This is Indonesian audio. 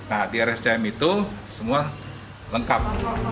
nah di rscm itu semua lengkap